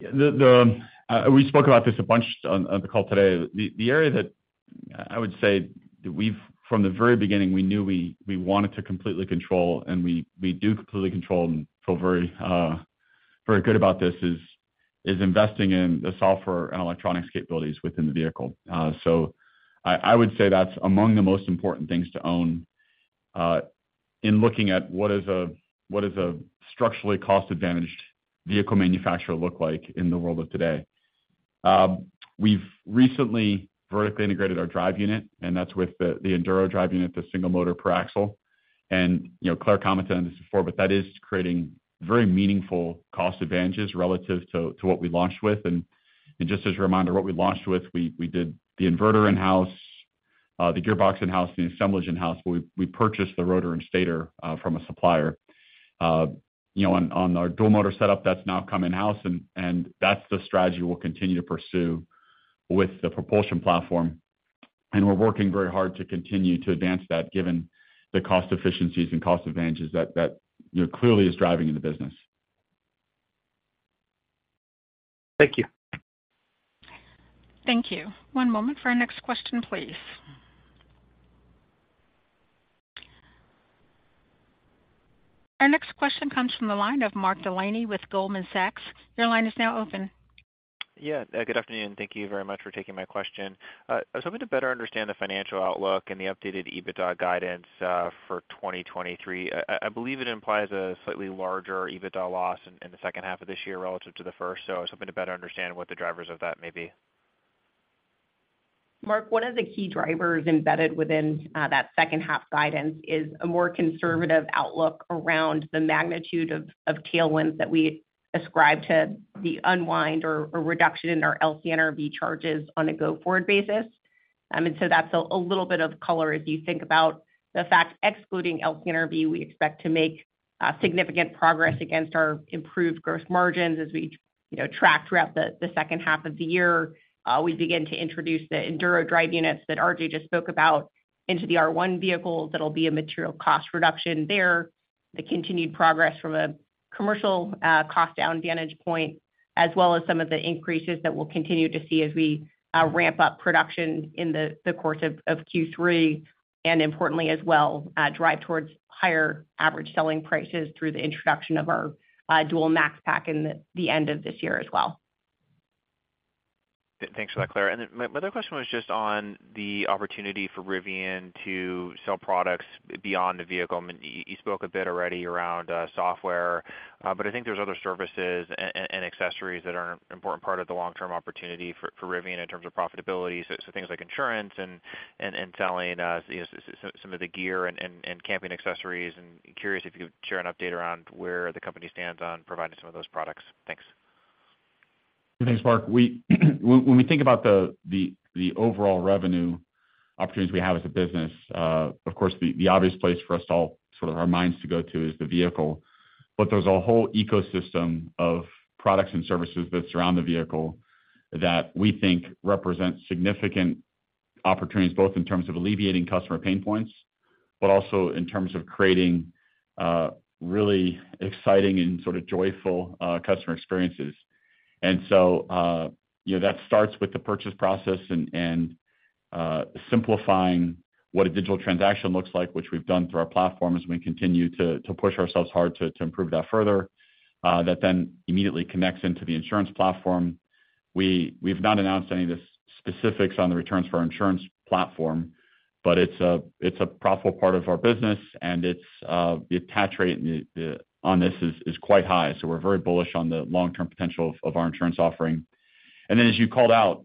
Yeah, the, the, we spoke about this a bunch on, on the call today. The, the area that I would say that we've From the very beginning, we knew we, we wanted to completely control, and we, we do completely control and feel very, very good about this, is, is investing in the software and electronics capabilities within the vehicle. I, I would say that's among the most important things to own, in looking at what is a, what is a structurally cost-advantaged vehicle manufacturer look like in the world of today. We've recently vertically integrated our drive unit, and that's with the, the Enduro drive unit, the single motor per axle. You know, Claire commented on this before, but that is creating very meaningful cost advantages relative to, to what we launched with. Just as a reminder, what we launched with, we, we did the inverter in-house, the gearbox in-house, the assemblage in-house, but we, we purchased the rotor and stator from a supplier. You know, on, on our dual motor setup, that's now come in-house, and that's the strategy we'll continue to pursue with the propulsion platform. We're working very hard to continue to advance that, given the cost efficiencies and cost advantages that, that, you know, clearly is driving in the business. Thank you. Thank you. One moment for our next question, please. Our next question comes from the line of Mark Delaney with Goldman Sachs. Your line is now open. Yeah, good afternoon, and thank you very much for taking my question. I was hoping to better understand the financial outlook and the updated EBITDA guidance for 2023. I believe it implies a slightly larger EBITDA loss in the 2nd half of this year relative to the 1st. I was hoping to better understand what the drivers of that may be. Mark, one of the key drivers embedded within that second half guidance is a more conservative outlook around the magnitude of, of tailwinds that we ascribe to the unwind or, or reduction in our LCNRV charges on a go-forward basis. That's a, a little bit of color as you think about the fact, excluding LCNRV, we expect to make significant progress against our improved gross margins. As we, you know, track throughout the, the second half of the year, we begin to introduce the Enduro drive units that RJ just spoke about into the R1 vehicles. That'll be a material cost reduction there, the continued progress from a commercial, cost down vantage point, as well as some of the increases that we'll continue to see as we, ramp up production in the, the course of, of Q3, and importantly, as well, drive towards higher average selling prices through the introduction of our, Dual-Motor Max Pack in the, the end of this year as well. Thanks for that, Claire. Then my, my other question was just on the opportunity for Rivian to sell products beyond the vehicle. I mean, you, you spoke a bit already around software, but I think there's other services and accessories that are an important part of the long-term opportunity for Rivian in terms of profitability. So things like insurance and, and, and selling, you know, some of the gear and, and, and camping accessories. Curious if you could share an update around where the company stands on providing some of those products. Thanks. Thanks, Mark. When we think about the, the, the overall revenue opportunities we have as a business, of course, the, the obvious place for us to all sort of our minds to go to is the vehicle. There's a whole ecosystem of products and services that surround the vehicle that we think represent significant opportunities, both in terms of alleviating customer pain points, but also in terms of creating, really exciting and sort of joyful, customer experiences. You know, that starts with the purchase process and, and, simplifying what a digital transaction looks like, which we've done through our platform as we continue to, to push ourselves hard to, to improve that further. That immediately connects into the insurance platform. We've not announced any of the specifics on the returns for our insurance platform, but it's a profitable part of our business, and it's, the attach rate on this is quite high. We're very bullish on the long-term potential of our insurance offering. Then, as you called out,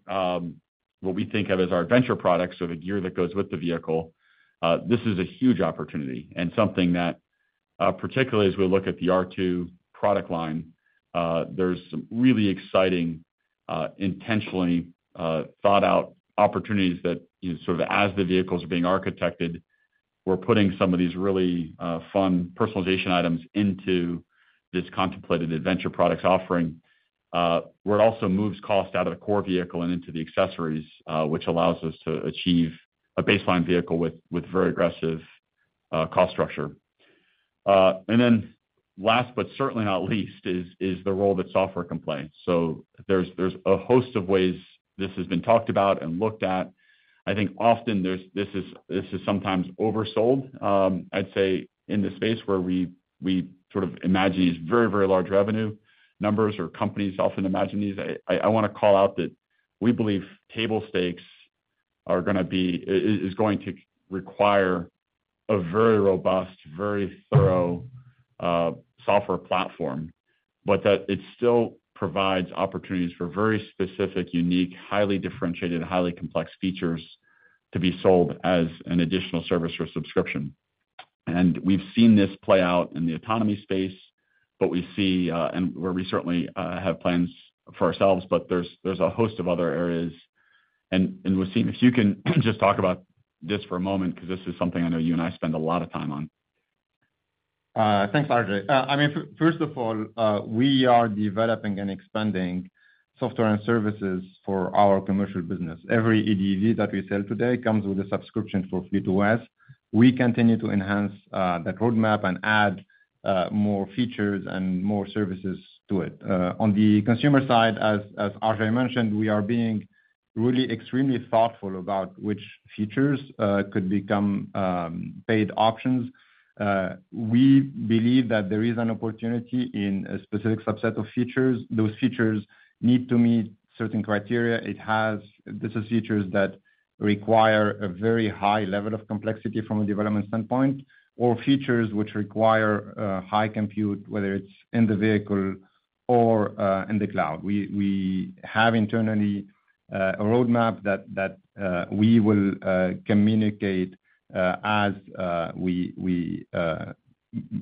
what we think of as our adventure products, so the gear that goes with the vehicle, this is a huge opportunity and something that, particularly as we look at the R2 product line, there's some really exciting, intentionally thought out opportunities that, you know, sort of as the vehicles are being architected,... We're putting some of these really, fun personalization items into this contemplated adventure products offering, where it also moves cost out of the core vehicle and into the accessories, which allows us to achieve a baseline vehicle with, with very aggressive, cost structure. Then last, but certainly not least, is, is the role that software can play. There's, there's a host of ways this has been talked about and looked at. I think often this is, this is sometimes oversold. I'd say in the space where we, we sort of imagine these very, very large revenue numbers or companies often imagine these, I, I wanna call out that we believe table stakes are gonna be, is going to require a very robust, very thorough, software platform, but that it still provides opportunities for very specific, unique, highly differentiated, highly complex features to be sold as an additional service or subscription. We've seen this play out in the autonomy space, but we see, and where we certainly, have plans for ourselves, but there's, there's a host of other areas. Wassym, if you can just talk about this for a moment, 'cause this is something I know you and I spend a lot of time on. Thanks, RJ. I mean, first of all, we are developing and expanding software and services for our commercial business. Every EDV that we sell today comes with a subscription for FleetOS. We continue to enhance that roadmap and add, more features and more services to it. On the consumer side, as RJ mentioned, we are being really extremely thoughtful about which features could become paid options. We believe that there is an opportunity in a specific subset of features. Those features need to meet certain criteria. This is features that require a very high level of complexity from a development standpoint, or features which require, high compute, whether it's in the vehicle or, in the cloud. We, we have internally, a roadmap that, that, we will, communicate, as, we, we,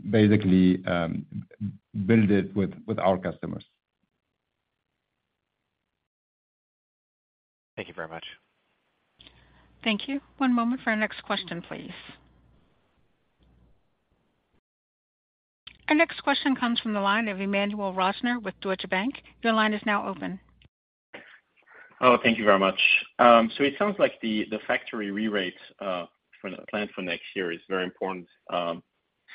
basically, build it with, with ou r customers. Thank you very much. Thank you. One moment for our next question, please. Our next question comes from the line of Emmanuel Rosner with Deutsche Bank. Your line is now open. Oh, thank you very much. It sounds like the factory rerate for the plan for next year is very important,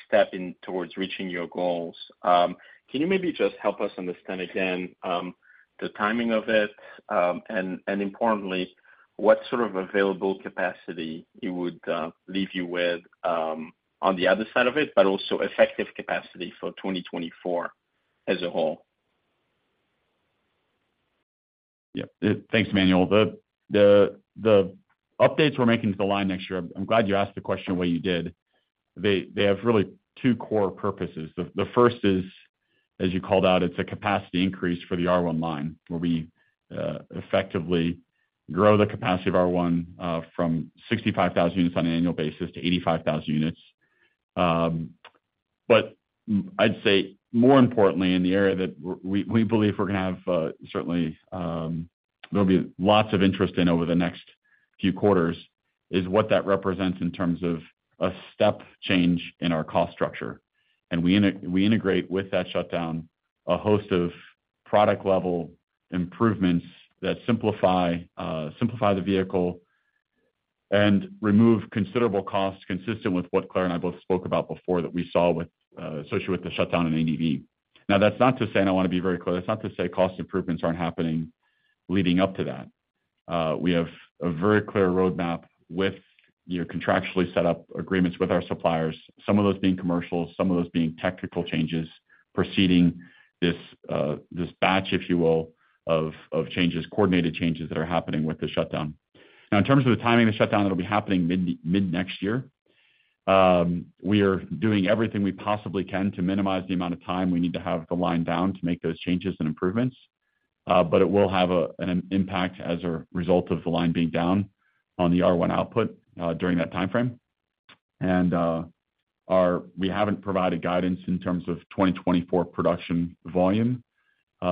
step in towards reaching your goals. Can you maybe just help us understand, again, the timing of it, and importantly, what sort of available capacity it would leave you with on the other side of it, but also effective capacity for 2024 as a whole? Yeah. Thanks, Emmanuel. The updates we're making to the line next year, I'm glad you asked the question the way you did. They have really two core purposes. The first is, as you called out, it's a capacity increase for the R1 line, where we effectively grow the capacity of R1 from 65,000 units on an annual basis to 85,000 units. I'd say more importantly, in the area that we believe we're gonna have, certainly, there'll be lots of interest in over the next few quarters, is what that represents in terms of a step change in our cost structure. We integrate with that shutdown, a host of product-level improvements that simplify, simplify the vehicle and remove considerable costs, consistent with what Claire and I both spoke about before, that we saw with, associated with the shutdown in EDV. That's not to say, and I wanna be very clear, that's not to say cost improvements aren't happening leading up to that. We have a very clear roadmap with, you know, contractually set up agreements with our suppliers, some of those being commercial, some of those being technical changes preceding this, this batch, if you will, of changes, coordinated changes that are happening with the shutdown. In terms of the timing of the shutdown, it'll be happening mid next year. We are doing everything we possibly can to minimize the amount of time we need to have the line down to make those changes and improvements, but it will have a, an impact as a result of the line being down on the R1 output during that timeframe. We haven't provided guidance in terms of 2024 production volume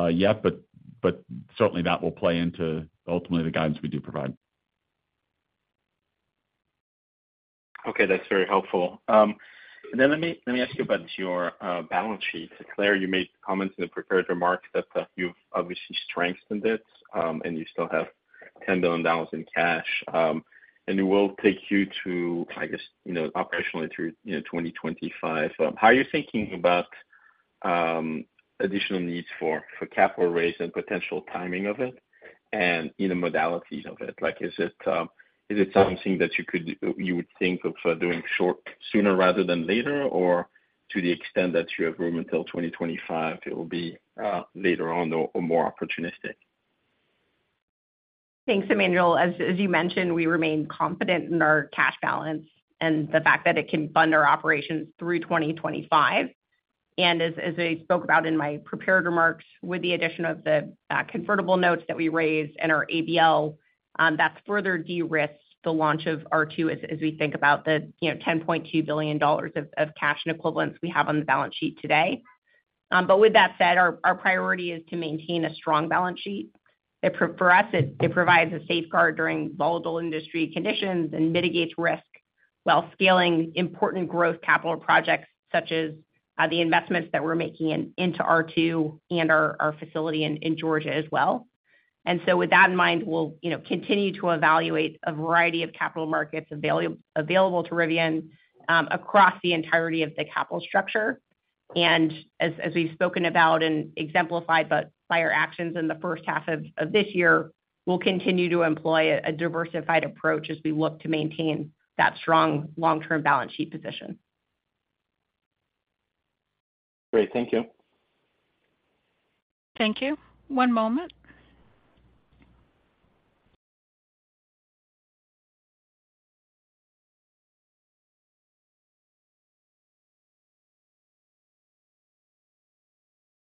yet, but, but certainly that will play into ultimately the guidance we do provide. Okay, that's very helpful. Let me, let me ask you about your balance sheet. Claire, you made comments in the prepared remarks that you've obviously strengthened it, and you still have $10 billion in cash, and it will take you to, I guess, you know, operationally through, you know, 2025. How are you thinking about additional needs for, for capital raise and potential timing of it, and, you know, modalities of it? Like, is it, is it something that you could, you would think of doing short, sooner rather than later, or to the extent that you have room until 2025, it will be later on or, or more opportunistic? Thanks, Emmanuel. As you mentioned, we remain confident in our cash balance and the fact that it can fund our operations through 2025. As I spoke about in my prepared remarks, with the addition of the convertible notes that we raised and our ABL, that further de-risks the launch of R2 as we think about the, you know, $10.2 billion of cash and equivalents we have on the balance sheet today. With that said, our priority is to maintain a strong balance sheet. For us, it provides a safeguard during volatile industry conditions and mitigates risk while scaling important growth capital projects, such as the investments that we're making into R2 and our facility in Georgia as well. With that in mind, we'll, you know, continue to evaluate a variety of capital markets available to Rivian across the entirety of the capital structure. As, as we've spoken about and exemplified by, by our actions in the first half of, of this year, we'll continue to employ a, a diversified approach as we look to maintain that strong long-term balance sheet position. Great. Thank you. Thank you. One moment.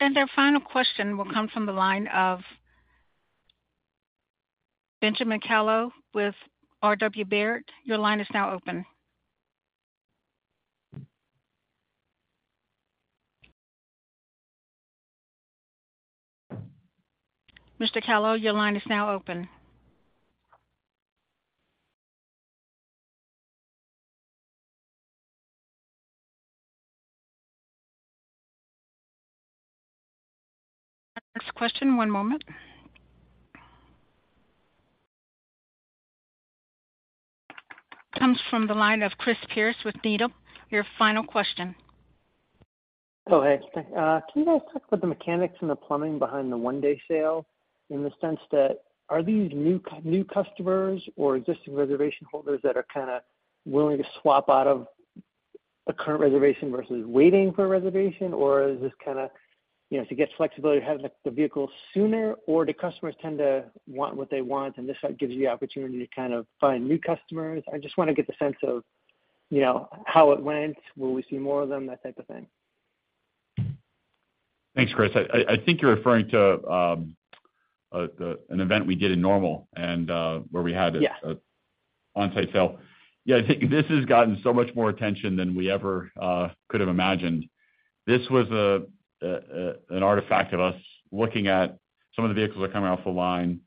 Our final question will come from the line of Benjamin Kallo with R.W. Baird. Your line is now open. Mr. Kallo, your line is now open. Our next question, one moment. Comes from the line of Chris Pierce with Needham. Your final question. Oh, hey, can you guys talk about the mechanics and the plumbing behind the one-day sale, in the sense that, are these new customers or existing reservation holders that are kinda willing to swap out of a current reservation versus waiting for a reservation? Or is this kinda, you know, to get flexibility to have the, the vehicle sooner, or do customers tend to want what they want, and this gives you the opportunity to kind of find new customers? I just wanna get the sense of, you know, how it went. Will we see more of them, that type of thing? Thanks, Chris. I think you're referring to an event we did in Normal and where we had. Yes. -on-site sale. Yeah, I think this has gotten so much more attention than we ever could have imagined. This was an artifact of us looking at some of the vehicles that are coming off the line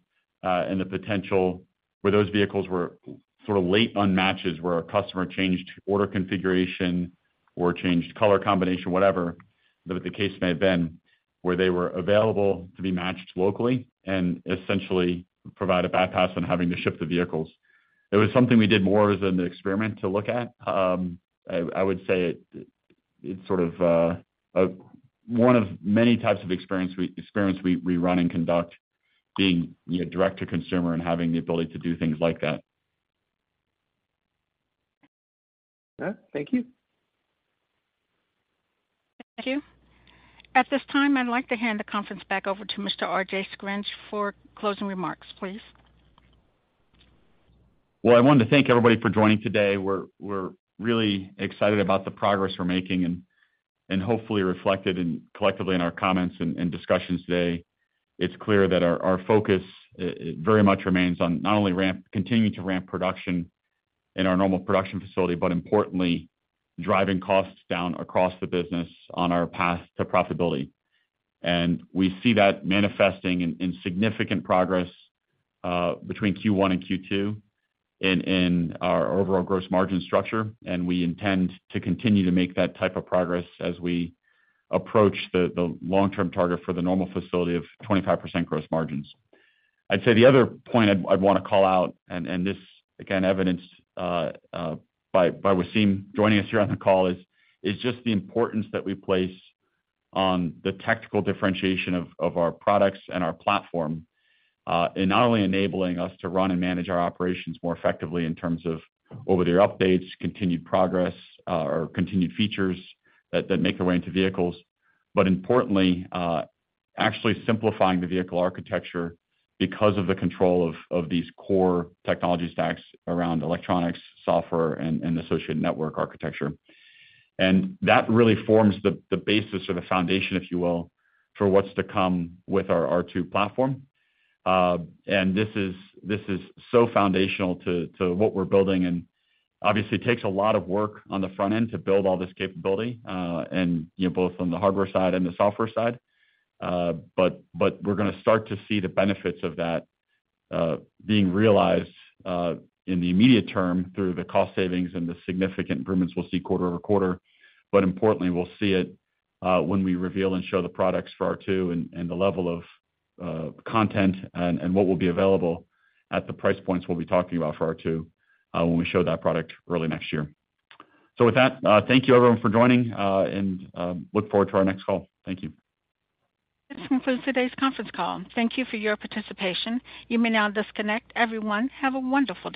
and the potential where those vehicles were sort of late on matches, where a customer changed order configuration or changed color combination, whatever the case may have been, where they were available to be matched locally and essentially provide a bypass on having to ship the vehicles. It was something we did more as an experiment to look at. I, I would say it, it's sort of one of many types of experience we, experience we, we run and conduct, being, you know, direct to consumer and having the ability to do things like that. Thank you. Thank you. At this time, I'd like to hand the conference back over to Mr. RJ Scaringe for closing remarks, please. Well, I wanted to thank everybody for joining today. We're, we're really excited about the progress we're making and, and hopefully reflected in, collectively in our comments and, and discussions today. It's clear that our, our focus very much remains on not only ramp, continuing to ramp production in our Normal production facility, but importantly, driving costs down across the business on our path to profitability. And we see that manifesting in, in significant progress between Q1 and Q2, in, in our overall gross margin structure, and we intend to continue to make that type of progress as we approach the, the long-term target for the Normal facility of 25% gross margins. I'd say the other point I'd, I'd wanna call out, and, and this, again, evidenced by, by Wassym joining us here on the call, is just the importance that we place on the technical differentiation of our products and our platform. In not only enabling us to run and manage our operations more effectively in terms of over-the-air updates, continued progress, or continued features that, that make their way into vehicles, but importantly, actually simplifying the vehicle architecture because of the control of these core technology stacks around electronics, software, and, and associate network architecture. That really forms the basis or the foundation, if you will, for what's to come with our R2 platform. And this is, this is so foundational to, to what we're building, and obviously it takes a lot of work on the front end to build all this capability, and, you know, both on the hardware side and the software side. But, but we're gonna start to see the benefits of that being realized in the immediate term through the cost savings and the significant improvements we'll see quarter over quarter. Importantly, we'll see it when we reveal and show the products for R2 and, and the level of content and, and what will be available at the price points we'll be talking about for R2 when we show that product early next year. With that, thank you everyone for joining, and look forward to our next call. Thank you. This concludes today's conference call. Thank you for your participation. You may now disconnect. Everyone, have a wonderful day.